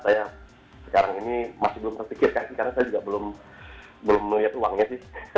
tapi ya yang jelas saya sekarang ini masih belum terpikirkan karena saya juga belum melihat uangnya sih